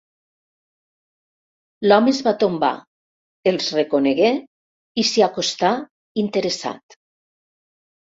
L'home es va tombar, els reconegué i s'hi acostà, interessat.